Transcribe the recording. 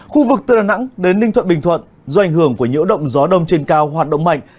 khu vực từ đà nẵng đến ninh thuận bình thuận do ảnh hưởng của nhiễu động gió đông trên cao hoạt động mạnh